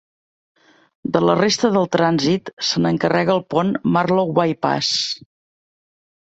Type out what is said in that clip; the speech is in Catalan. De la resta del trànsit se n'encarrega el pont Marlow By-pass.